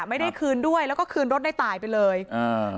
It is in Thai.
ไม่ได้คืนด้วยแล้วก็คืนรถในตายไปเลยอ่า